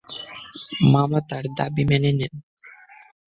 মামা তার দাবি মেনে নেন।